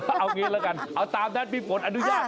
เอาอย่างนี้ละกันเอาตามแทนปีฝนอดุญาต